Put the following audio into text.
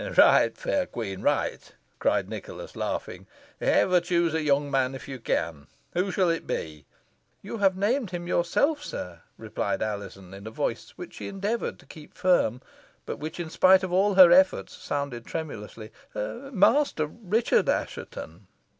"Right, fair queen, right," cried Nicholas, laughing. "Ever choose a young man if you can. Who shall it be?" "You have named him yourself, sir," replied Alizon, in a voice which she endeavoured to keep firm, but which, in spite of all her efforts, sounded tremulously "Master Richard Assheton."